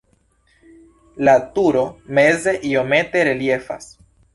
La turo meze iomete reliefas.